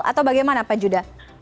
atau bagaimana pak judah